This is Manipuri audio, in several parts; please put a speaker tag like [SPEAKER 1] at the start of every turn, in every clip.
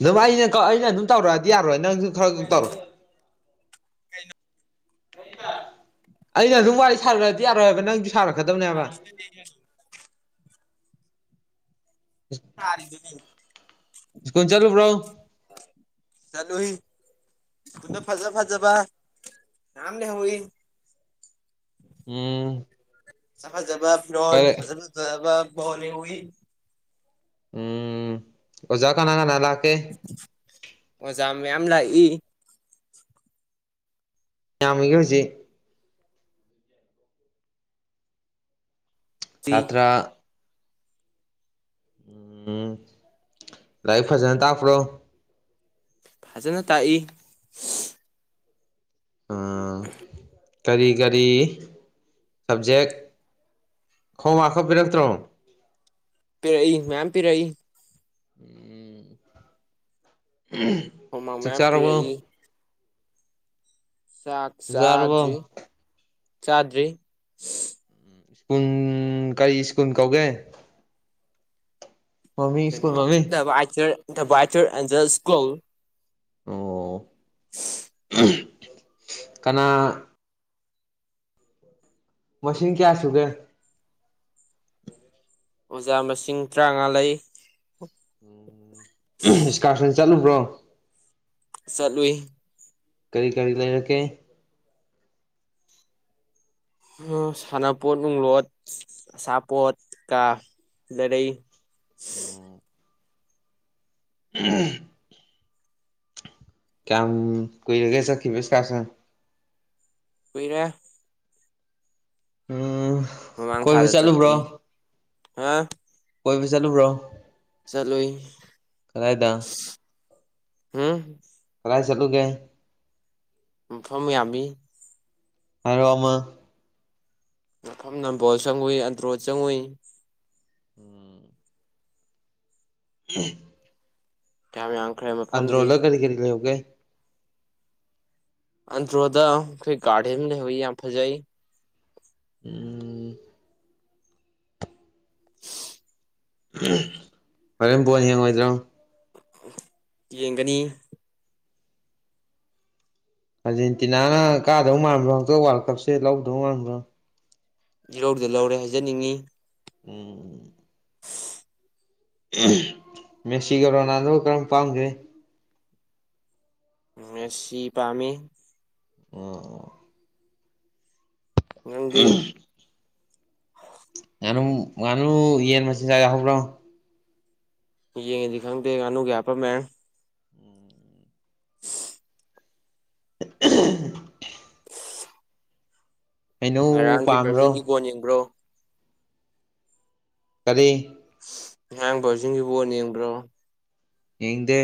[SPEAKER 1] ꯑꯗꯨꯝ ꯑꯩꯅ ꯑꯩꯅ ꯑꯗꯨꯝ ꯇꯧꯔꯛꯑꯗꯤ ꯌꯥꯔꯣꯏ ꯅꯪꯁꯨ ꯈꯔ ꯈ ꯇꯧꯔꯣ
[SPEAKER 2] ꯀꯩꯅꯅ [unintelligible]
[SPEAKER 1] ꯑꯩꯅ ꯑꯗꯨꯝ ꯋꯥꯔꯤ ꯁꯥꯔꯛꯂꯗꯤ ꯌꯥꯔꯣꯏꯕ ꯅꯪꯁꯨ ꯁꯥꯔꯛꯀꯗꯕꯅꯦꯕ
[SPEAKER 2] [inaudible] ꯇꯔꯤꯒ [unintelligible]
[SPEAKER 1] ꯁꯀꯨꯟ ꯆꯠꯂꯨꯕ꯭ꯔꯣ
[SPEAKER 2] ꯆꯠꯂꯨꯏ ꯇꯨꯡꯗ ꯐꯖ ꯐꯖꯕ ꯌꯥꯝꯝ ꯂꯍꯏ [unintelligible]
[SPEAKER 1] ꯌꯦ [unintelligible]
[SPEAKER 2] ꯐꯖ ꯐꯖꯕ ꯐꯤꯔꫭꯜ [unintelligible] ꯐ꯭ꯔꯣ ꯐ ꯐꯖꯣꯅꯤ
[SPEAKER 1] ꯎꯝ ꯑꯣꯖꯥ ꯀꯅꯥ ꯀꯅꯥ ꯂꯥꯛꯀꯦ
[SPEAKER 2] ꯑꯣꯖꯥ ꯃꯌꯥꯝ ꯂꯥꯛꯏ
[SPEAKER 1] ꯌꯥꯝꯃꯤꯒ ꯍꯧꯖꯤꯛ [unintelligible] ꯁꯥꯇ꯭ꯔ ꯎꯝ ꯂꯥꯏꯔꯤꯛ ꯐꯖꯅ ꯇꯥꯛꯄ꯭ꯔꯣ
[SPEAKER 2] ꯐꯖꯅ ꯇꯥꯛꯏ
[SPEAKER 1] ꯑꯥ ꯀꯔꯤ ꯀꯔꯤ ꯁꯕꯖꯦꯛ ꯈꯣꯡ ꯋꯥꯛꯀ ꯄꯤꯔꯛꯇ꯭ꯔꯣ
[SPEAKER 2] ꯄꯤꯔꯛꯏ ꯃꯌꯥꯝ ꯄꯤꯔꯛꯏ
[SPEAKER 1] ꯎꯝ ꯎꯝ
[SPEAKER 2] ꯍꯣꯝꯃꯥꯛ ꯃꯌꯥꯝ ꯄꯤꯔꯛꯏ ꯆꯥꯛ ꯆꯥꯗ꯭ꯔꯤ ꯆꯥꯗ꯭ꯔꯤ
[SPEAKER 1] ꯁ꯭ꯀꯨꯟ ꯀꯔꯤ ꯁ꯭ꯀꯨꯟ ꯀꯧꯒꯦ ꯃꯃꯤꯡ ꯁ꯭ꯀꯨꯜ
[SPEAKER 2] ꯀꯩꯅꯣ
[SPEAKER 1] ꯃꯃꯤꯡ
[SPEAKER 2] ꯗꯥ ꯕꯥꯏꯇꯔ ꯗꯥ ꯕꯥꯢꯇꯔ ꯑꯦꯟꯖꯦꯜ ꯁ꯭ꯀꯨꯜ
[SPEAKER 1] ꯑꯣ
[SPEAKER 2] [unintelligible]
[SPEAKER 1] ꯀꯅꯥ ꯃꯁꯤꯡ ꯀꯌꯥ ꯁꯨꯒꯦ
[SPEAKER 2] ꯑꯣꯖꯥ ꯃꯁꯤꯡ ꯇꯔꯥꯃꯉꯥ ꯂꯩ
[SPEAKER 1] ꯎꯝ ꯏꯁꯀꯥꯔꯁꯟ ꯆꯠꯂꯨꯕ꯭ꯔꯣ
[SPEAKER 2] ꯆꯠꯂꯨꯏ
[SPEAKER 1] ꯀꯔꯤ ꯀꯔꯤ ꯂꯩꯔꯛꯀꯦ
[SPEAKER 2] ꯍꯥ ꯁꯥꯟꯅꯄꯣꯠ ꯅꯨꯡꯂꯣꯠ ꯑꯆꯥꯄꯣꯠ ꯀ ꯂꯩꯔꯩ
[SPEAKER 1] ꯎꯝ ꯀꯌꯥꯝ ꯀꯨꯏꯔꯒꯦ ꯆꯠꯈꯤꯕ ꯏꯁꯀꯥꯁꯟ
[SPEAKER 2] ꯀꯨꯏꯔꯦ
[SPEAKER 1] ꯎꯝ
[SPEAKER 2] ꯃꯃꯥꯡ
[SPEAKER 1] ꯀꯣꯏꯕ
[SPEAKER 2] ꯊꯥꯗ ꯆꯠꯄꯅꯤ
[SPEAKER 1] ꯆꯠꯂꯨꯕ꯭ꯔꯣ
[SPEAKER 2] ꯍꯥ
[SPEAKER 1] ꯀꯣꯏꯕ ꯆꯠꯂꯨꯕ꯭ꯔꯣ
[SPEAKER 2] ꯆꯠꯂꯨꯏ
[SPEAKER 1] ꯀꯗꯥꯏꯗ
[SPEAKER 2] ꯎꯝ
[SPEAKER 1] ꯀꯗꯥꯏ ꯆꯠꯂꯨꯒꯦ
[SPEAKER 2] ꯃꯐꯝ ꯌꯥꯝꯃꯤ
[SPEAKER 1] ꯍꯥꯏꯔꯣ ꯑꯃ
[SPEAKER 2] ꯃꯐꯝ ꯅꯝꯕꯣꯜ ꯆꯪꯉꯨꯏ ꯑꯟꯇ꯭ꯔꯣꯗ ꯆꯪꯉꯨꯏ
[SPEAKER 1] ꯎꯝ [unintelligible]
[SPEAKER 2] ꯀꯌ꯭ꯥꯝ ꯌꯥꯝꯈꯔ꯭ꯦ ꯃ
[SPEAKER 1] ꯑꯟꯗ꯭ꯔꯣꯂ ꯀꯔꯤ ꯀꯔꯤ ꯂꯩꯍꯧꯒꯦ
[SPEAKER 2] ꯑꯟꯇ꯭ꯔꯣꯗ ꯈꯣꯏ ꯒꯥꯔꯗꯦꯟ ꯂꯩꯍꯧꯋꯤ ꯌꯥꯝ ꯐꯖꯩ
[SPEAKER 1] ꯎꯝ ꯍꯣꯔꯦꯟ ꯕꯣꯜ ꯌꯦꯡꯉꯣꯏꯗ꯭ꯔꯣ
[SPEAKER 2] ꯌꯦꯡꯒꯅꯤ
[SPEAKER 1] ꯑꯥꯔꯖꯦꯟꯇꯤꯅꯥꯅ ꯀꯥꯗꯧ ꯃꯥꯟꯕ꯭ꯔꯣ ꯍꯟꯇꯛ ꯋꯥꯜ ꯀꯞꯁꯦ ꯂꯧꯗꯧ ꯃꯥꯟꯕ꯭ꯔꯣ
[SPEAKER 2] ꯏꯔꯧꯗ ꯂꯧꯔꯦ ꯍꯥꯏꯖꯅꯤꯡꯉꯤ
[SPEAKER 1] ꯎꯝ ꯃꯦꯛꯁꯤꯒꯣ ꯔꯣꯅꯥꯜꯗꯣ ꯀꯔꯝ ꯄꯥꯝꯖꯦ
[SPEAKER 2] ꯃꯦꯁꯤ ꯄꯥꯝꯃꯤ
[SPEAKER 1] ꯑꯣ
[SPEAKER 2] ꯅꯪꯗꯤ
[SPEAKER 1] [unintelligible] ꯉꯥꯅꯨ ꯉꯥꯅꯨ ꯌꯦꯟ ꯃꯆꯤꯟꯖꯥꯛ ꯌꯥꯎꯍꯧꯕ꯭ꯔꯣ?
[SPEAKER 2] ꯌꯦꯟꯒꯤꯗꯤ ꯈꯪꯗꯦ, ꯉꯥꯅꯨꯒꯤ ꯍꯥꯞꯄꯝꯃꯦ꯫
[SPEAKER 1] [inaudible] ꯍꯩꯅꯧ
[SPEAKER 2] ꯉꯔꯥꯡꯒꯤ ꯚꯔꯖꯤꯟꯒꯤ
[SPEAKER 1] ꯄꯥꯝꯕ꯭ꯔꯣ
[SPEAKER 2] ꯒꯣꯟ ꯌꯦꯡꯕ꯭ꯔꯣ?
[SPEAKER 1] ꯀꯔꯤ?
[SPEAKER 2] ꯚꯔꯖꯤꯟꯒꯤ ꯕꯣꯟ ꯌꯦꯡꯕ꯭ꯔꯣ?
[SPEAKER 1] ꯌꯦꯡꯗꯦ꯫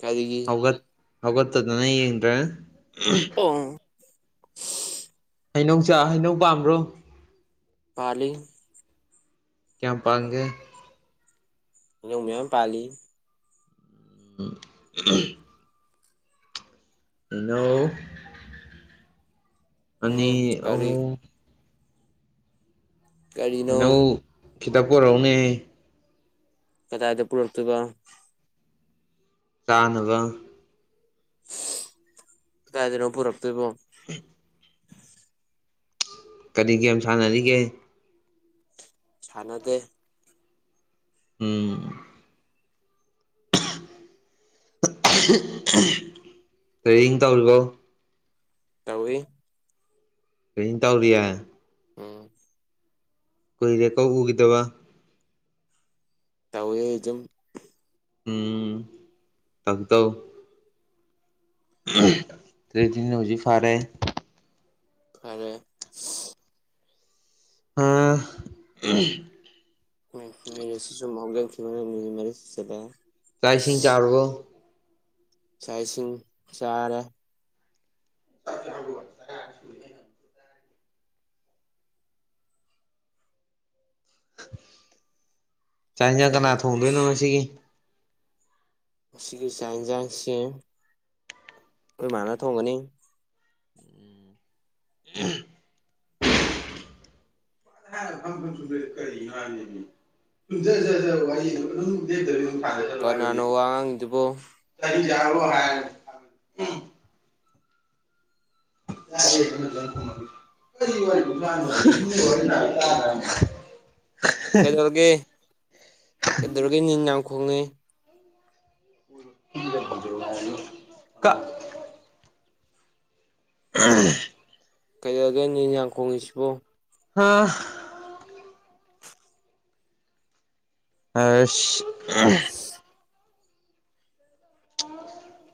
[SPEAKER 2] ꯀꯔꯤꯒꯤ?
[SPEAKER 1] ꯍꯧꯒꯠ ꯍꯧꯒꯠꯇꯗꯅ ꯌꯦꯡꯗ꯭ꯔꯦ꯫
[SPEAKER 2] [unintelligible]
[SPEAKER 1] ꯍꯩꯅꯧꯆꯥꯥ ꯍꯩꯅꯧ ꯄꯥꯟꯕ꯭ꯔꯣ?
[SPEAKER 2] ꯄꯜꯂꯤ꯫
[SPEAKER 1] ꯀꯌꯥꯝ ꯄꯦꯟꯒꯦ?
[SPEAKER 2] ꯍꯩꯅꯧ ꯃꯌꯥꯝ ꯄꯥꯜꯂꯤ꯫
[SPEAKER 1] [unintelligible] ꯍꯩꯅꯧ ꯑꯅꯤ
[SPEAKER 2] ꯎꯝ ꯀꯔꯤ
[SPEAKER 1] ꯑꯍꯨꯝ꯫
[SPEAKER 2] ꯀꯔꯤꯅꯣ
[SPEAKER 1] ꯍꯩꯅꯧ ꯈꯤꯇ ꯄꯨꯔꯛꯎꯅꯦ꯫
[SPEAKER 2] ꯀꯗꯥꯏꯗ ꯄꯨꯔꯛ ꯇꯣꯏꯕ?
[SPEAKER 1] ꯆꯅꯥꯕ꯫
[SPEAKER 2] ꯀꯥꯏꯗꯅꯣ ꯄꯨꯔꯛꯇꯣꯏꯕꯣ?
[SPEAKER 1] [inaudible] [unintelligible] ꯀꯔꯤ ꯒꯦꯝ ꯁꯥꯟꯅꯔꯤꯒꯦ?
[SPEAKER 2] ꯁꯅꯗꯦ꯫
[SPEAKER 1] ꯎꯝ ꯇ꯭ꯔꯦꯅꯤꯡ ꯇꯧꯔꯤꯕꯣ?
[SPEAKER 2] ꯇꯧꯏ꯫
[SPEAKER 1] [unintelligible]
[SPEAKER 2] ꯎꯝ
[SPEAKER 1] ꯀꯨꯏꯔꯦ ꯀꯣ ꯎꯈꯤꯗꯕ꯫
[SPEAKER 2] ꯇꯋꯦꯖꯨꯝ
[SPEAKER 1] ꯎꯝ ꯇꯧ ꯇꯧ [unintelligible]
[SPEAKER 2] ꯐꯔꯦ꯫
[SPEAKER 1] ꯑ [unintelligible]
[SPEAKER 2] ꯃꯤꯅꯤꯠꯁꯦ ꯁꯨꯝ ꯍꯧꯖꯤꯟ ꯈꯤꯕꯅ ꯃꯤꯅꯤꯠ ꯃꯔꯤ ꯆꯠꯂꯦ꯫
[SPEAKER 1] ꯆꯥꯛ ꯏꯁꯤꯡ ꯆꯥꯔꯕꯣ?
[SPEAKER 2] ꯆꯥꯛ ꯏꯁꯤꯡ ꯆꯥꯔꯦ꯫
[SPEAKER 1] [unintelligible] ꯆꯥꯛ ꯏꯟꯖꯥꯡ ꯀꯅꯥ ꯊꯣꯡꯗꯣꯏꯅꯣ ꯉꯁꯤꯒꯤ?
[SPEAKER 2] ꯉꯁꯤꯒꯤ ꯆꯥꯛ ꯏꯟꯁꯥꯡꯁꯦ ꯑꯩꯈꯣꯏ ꯃꯥꯅ ꯊꯣꯡꯒꯅꯤ꯫
[SPEAKER 1] [unintelligible] [unintelligible]
[SPEAKER 2] ꯀꯅꯥꯅꯣ ꯋꯥ ꯉꯥꯡꯉꯤꯗꯨꯕꯣ
[SPEAKER 1] [unintelligible]
[SPEAKER 2] ꯀꯔꯤ
[SPEAKER 1] [unintelligible]
[SPEAKER 2] ꯀꯩꯗꯧꯔꯒꯦ ꯀꯩꯗꯧꯔꯒꯦ ꯅꯤꯟ ꯌꯥꯝ ꯈꯣꯡꯉꯦ
[SPEAKER 1] [unintelligible] ꯀ [unintelligible]
[SPEAKER 2] ꯀꯩꯗꯧꯔꯒꯦ ꯅꯤꯟꯌꯥꯝ ꯈꯣꯡꯉꯤꯁꯤꯕꯣ
[SPEAKER 1] ꯍꯥ ꯑꯁ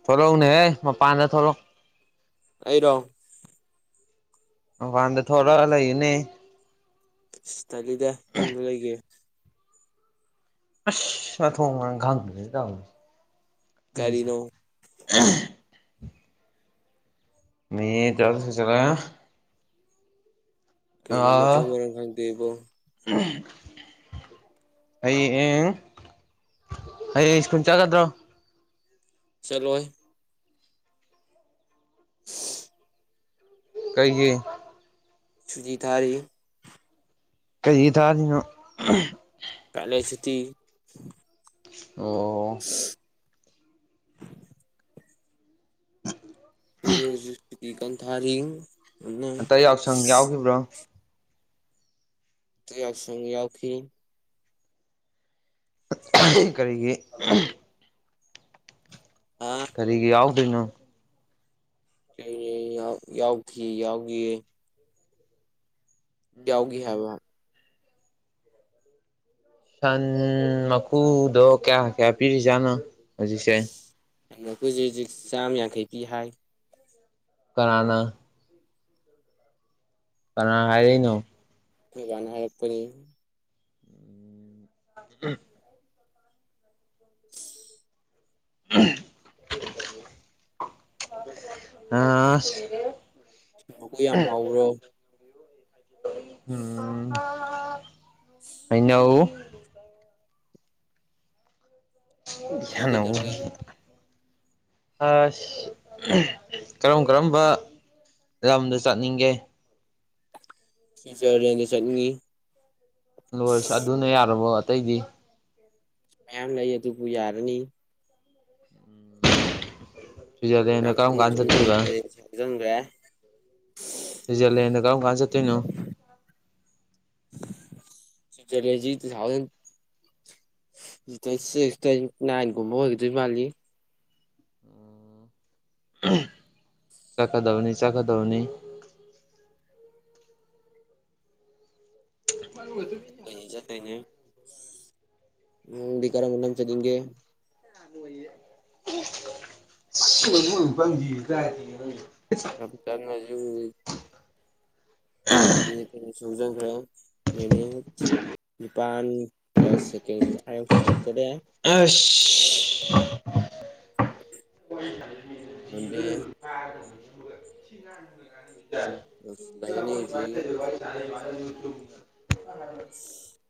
[SPEAKER 1] ꯊꯣꯛꯔꯛꯎꯅꯦꯍꯦ ꯃꯄꯥꯟꯗ ꯊꯣꯛꯂꯛꯎ
[SPEAKER 2] ꯑꯩꯔꯣ
[SPEAKER 1] ꯃꯄꯥꯟꯗ ꯊꯣꯛꯔꯑ ꯂꯩꯅꯦ
[SPEAKER 2] ꯏꯁ ꯇꯜꯂꯤꯗ ꯏꯃꯨꯡꯗ ꯂꯩꯒꯦ
[SPEAKER 1] ꯑꯁ ꯃꯊꯣꯡ ꯃꯔꯝ ꯈꯪꯗ꯭ꯔꯦ ꯇꯧꯏꯁꯦ
[SPEAKER 2] ꯀꯔꯤꯅꯣ
[SPEAKER 1] [unintelligible]
[SPEAKER 2] ꯀꯩꯅꯣ
[SPEAKER 1] ꯑꯥ
[SPEAKER 2] ꯃꯊꯣꯡ ꯃꯔꯝ ꯈꯪꯗꯦ ꯏꯕꯣ
[SPEAKER 1] [unintelligible] ꯑꯩ ꯑꯦꯡ ꯍꯌꯦꯡ ꯁ꯭ꯀꯨꯟ ꯆꯠꯒꯗ꯭ꯔꯣ
[SPEAKER 2] ꯆꯠꯂꯣꯏ [unintelligible]
[SPEAKER 1] ꯀꯩꯒꯤ
[SPEAKER 2] ꯁꯨꯗꯤ ꯊꯥꯔꯤ
[SPEAKER 1] ꯀꯔꯤꯒꯤ ꯊꯥꯔꯤꯅꯣ
[SPEAKER 2] ꯀꯥꯂꯦ ꯁꯨꯇꯤ
[SPEAKER 1] ꯑꯣ [unintelligible]
[SPEAKER 2] ꯍꯨꯖꯤꯛ ꯍꯨꯖꯤꯛ ꯁꯨꯇꯤ ꯀꯟ ꯊꯥꯔꯤ
[SPEAKER 1] ꯍꯟꯇꯛ [unintelligible]
[SPEAKER 2] ꯇ ꯌꯥꯎꯁꯪ ꯌꯥꯎꯈꯤ
[SPEAKER 1] ꯀꯔꯤꯒꯤ
[SPEAKER 2] ꯑ
[SPEAKER 1] ꯀꯔꯤꯒꯤ ꯌꯥꯎꯗꯣꯏꯅꯣ
[SPEAKER 2] ꯀꯩꯒꯩ ꯌꯥꯎ ꯌꯥꯎꯈꯤ ꯌꯥꯎꯒꯤꯌꯦ ꯌꯥꯎꯒꯤ ꯍꯥꯏꯕ
[SPEAKER 1] ꯁꯟ ꯃꯀꯨꯗꯣ ꯀꯌꯥ ꯀꯌꯥ ꯄꯤꯔꯤꯖꯥꯠꯅꯣ ꯍꯨꯖꯤꯛꯁꯦ
[SPEAKER 2] ꯃꯀꯨꯖꯦ ꯍꯨꯖꯤꯛ ꯆꯥꯝ ꯌꯥꯡꯈꯩ ꯄꯤ ꯍꯥꯏ
[SPEAKER 1] ꯀꯔꯥꯅ ꯀꯅꯥ ꯍꯥꯏꯔꯩꯅꯣ
[SPEAKER 2] ꯅꯣꯏ ꯕꯥꯅ ꯍꯥꯏꯔꯛꯄꯅꯤ
[SPEAKER 1] [unintelligible] ꯑ
[SPEAKER 2] [unintelligible] ꯌꯥꯝ ꯍꯥꯎꯕ꯭ꯔꯣ
[SPEAKER 1] ꯎꯝ ꯍꯩꯅꯧ
[SPEAKER 2] ꯅꯪ ꯀꯩꯗꯧꯔꯒꯦ
[SPEAKER 1] [unintelligible] ꯑꯁ ꯀꯔꯝ ꯀꯔꯝꯕ ꯂꯝꯗ ꯆꯠꯅꯤꯡꯒꯦ
[SPEAKER 2] ꯁꯨꯏꯖꯔꯂ‌ꯦꯟꯗ ꯆꯠꯅꯤꯡꯉꯤ
[SPEAKER 1] ꯂꯣꯏꯔꯁꯨ ꯑꯗꯨꯅ ꯌꯥꯔꯕꯣ ꯑꯇꯩꯗꯤ
[SPEAKER 2] ꯃꯌꯥꯝ ꯂꯩ ꯑꯗꯨꯕꯨ ꯌꯥꯔꯅꯤ ꯌꯥꯝ
[SPEAKER 1] ꯁ꯭ꯋꯤꯖꯔꯂꯦꯟꯗ ꯀꯔꯝ
[SPEAKER 2] ꯊꯨꯅ
[SPEAKER 1] ꯀꯥꯟ ꯆꯠꯇꯣꯏꯕ
[SPEAKER 2] ꯆꯠꯅꯤꯡꯉꯦ [unintelligible]
[SPEAKER 1] ꯁꯨꯏꯖ꯭ꯔꯂꯦꯟꯗ ꯀꯔꯝ ꯀꯥꯟ ꯆꯠꯇꯣꯏꯅꯣ
[SPEAKER 2] ꯁꯨꯏꯖ꯭ꯔꯂꯦꯟꯖꯤ ꯇꯨꯊꯥꯎꯖꯟ ꯁꯤꯛꯁ ꯇꯩ ꯅꯥꯏꯟꯒꯨꯝꯕ ꯑꯣꯏꯒꯗꯣꯏ ꯃꯥꯜꯂꯤ
[SPEAKER 1] ꯆꯠꯀꯗꯕꯅꯤ ꯆꯠꯀꯗꯕꯅꯤ [unintelligible] [unintelligible]
[SPEAKER 2] ꯇꯩꯅ‌ꯩ ꯅꯪꯗꯤ ꯀꯥꯥꯔꯝ ꯀꯔꯝ ꯆꯠꯅꯤꯡꯒꯦ
[SPEAKER 1] ꯈꯪꯉꯣꯏꯌꯦ [unintelligible]
[SPEAKER 2] [unintelligible]
[SPEAKER 1] ꯑꯍ
[SPEAKER 2] ꯃꯤꯅꯠ ꯀꯨꯟꯁꯨ ꯍꯧꯖꯟꯈ꯭ꯔꯦ ꯃꯤꯅꯠ ꯅꯤꯄꯥꯥꯟꯒ ꯁꯦꯀꯦꯟ ꯀꯨꯟꯊ꯭ꯔꯥ ꯌꯧꯁꯤꯂꯣꯛꯇꯣꯔꯦ
[SPEAKER 1] ꯑꯥꯁ
[SPEAKER 2] ꯃꯟꯗꯦ
[SPEAKER 1] [unintelligible] [unintelligible] [unintelligible]
[SPEAKER 2] ꯂꯩꯒꯅꯤ
[SPEAKER 1] [unintelligible]
[SPEAKER 2] ꯍꯧꯖꯤꯛ
[SPEAKER 1] [unintelligible] [unintelligible]
[SPEAKER 2] [inaudible]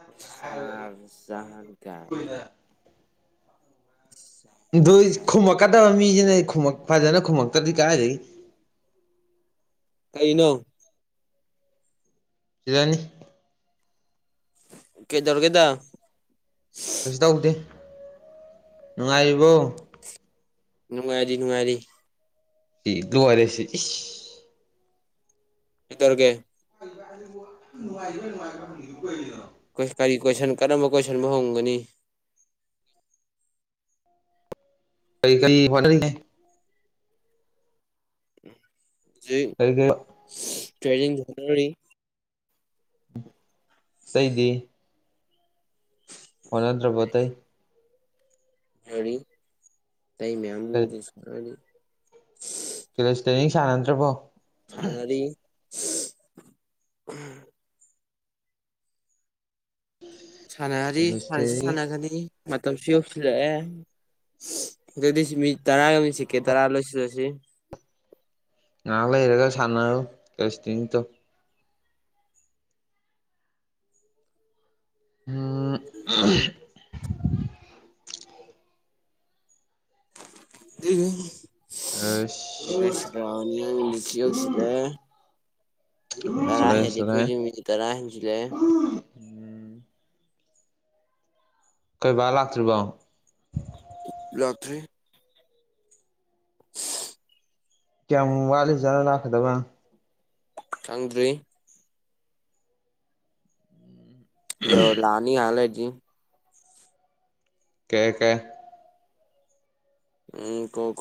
[SPEAKER 2] [unintelligible] [unintelligible] [unintelligible]
[SPEAKER 1] ꯑꯗꯨ ꯏꯁ ꯈꯨꯝꯃꯛꯀꯗꯕ ꯃꯤꯁꯤꯅ ꯈꯨꯝꯃꯛ ꯐꯖꯅ ꯈꯨꯝꯃꯛꯛꯇ꯭ꯔꯗꯤ ꯀꯗꯥꯥꯏꯗꯒꯤ
[SPEAKER 2] ꯀꯩꯅꯣ
[SPEAKER 1] ꯌꯅꯤ
[SPEAKER 2] ꯀꯩꯗꯧꯔꯒꯦꯗ
[SPEAKER 1] ꯀꯩꯁꯨ ꯇꯧꯗꯦ ꯅꯨꯡꯉꯥꯏꯔꯤꯕꯣ
[SPEAKER 2] ꯅꯨꯡꯉꯥꯏꯔꯤ ꯅꯨꯡꯉꯥꯏꯔꯤ
[SPEAKER 1] [unintelligible] [unintelligible] ꯏꯁ
[SPEAKER 2] ꯀꯩꯇꯧꯔꯒꯦ
[SPEAKER 1] ꯅꯨꯡꯉꯥꯏꯔꯤꯕ꯭ꯔ ꯅꯨꯡꯉꯥꯏꯔꯤꯕ꯭ꯔ ꯍꯪꯪꯉꯤꯕꯗꯨꯕꯨ ꯀꯩꯒꯤꯅꯣ
[SPEAKER 2] ꯀꯔꯤ ꯀꯣꯏꯁꯟ ꯀꯔꯝꯕ ꯀꯣꯏꯁꯟꯕꯨ ꯍꯣꯡꯒꯅꯤ
[SPEAKER 1] ꯀꯩ ꯀꯩ ꯍꯣꯠꯅꯔꯤꯒꯦ
[SPEAKER 2] [unintelligible]
[SPEAKER 1] ꯀꯩ ꯀꯩ ꯑꯣ
[SPEAKER 2] ꯇ꯭ꯔꯦꯗꯤꯡ [unintelligible]
[SPEAKER 1] ꯑꯇꯩꯗꯤ ꯍ‌ꯣꯠꯅꯗꯔꯕ‌ꯣ ꯑꯇꯩ
[SPEAKER 2] ꯌꯥꯔꯤ ꯇꯩ ꯃꯌꯥꯝ
[SPEAKER 1] ꯀꯔꯤ
[SPEAKER 2] [unintelligible]
[SPEAKER 1] ꯀꯦꯔꯣꯁ ꯇꯦꯅꯤꯡ ꯁꯥꯟꯅꯗ꯭ꯔꯕꯣ
[SPEAKER 2] ꯁꯥꯟꯅꯔꯤ ꯑꯍꯝ ꯁꯥꯟꯅꯔꯤ ꯁꯥꯟꯅꯁꯨ
[SPEAKER 1] ꯀꯦꯂꯤꯁꯇꯦꯅꯤꯛ
[SPEAKER 2] ꯁꯥꯟꯅꯒꯅꯤ ꯃꯇꯝꯁꯨ ꯌꯧꯁꯤꯜꯂꯛꯑꯦ ꯑꯗꯨꯗꯤ ꯁꯤꯃꯤ ꯇꯔꯥ [unintelligible] ꯁꯦꯀꯦꯟ ꯇꯔꯥ ꯂꯣꯏꯁꯤꯜꯂꯁꯤ
[SPEAKER 1] ꯉꯥꯏꯍꯥꯛ ꯂꯩꯔꯒ ꯁꯥꯟꯅꯔꯨ ꯀꯦꯁꯇꯤꯡꯇꯣ ꯎꯝ ꯑꯁ ꯆꯠꯂꯦ
[SPEAKER 2] [unintelligible] ꯇꯔꯥ ꯍꯦꯜꯂꯤ
[SPEAKER 1] ꯆꯠꯂꯦ
[SPEAKER 2] ꯑꯩꯈꯣꯢꯁꯦ ꯃꯤꯅꯤꯠ ꯇꯔꯥ ꯍꯦꯟꯖꯤꯜ ꯂꯛꯑꯦ
[SPEAKER 1] ꯑꯩꯈꯣꯢ ꯕꯥ ꯂꯥꯛꯇ꯭ꯔꯤꯕꯣ
[SPEAKER 2] ꯂꯥꯛꯇ꯭ꯔꯤ ꯏꯁ
[SPEAKER 1] ꯀꯌꯥꯝ ꯋꯥꯠꯂꯤ ꯖꯥꯠꯅꯣ ꯂꯥꯛꯀꯥꯗꯕ
[SPEAKER 2] ꯈꯪꯗ꯭ꯔꯤ ꯄꯔ꯭ꯤꯌꯣ ꯂꯥꯛꯑꯅꯤ ꯉꯥꯢꯍꯥꯛ ꯂꯩꯔꯗꯤ
[SPEAKER 1] ꯀꯌꯥ ꯀꯌꯥ
[SPEAKER 2] ꯎꯝ ꯀꯣ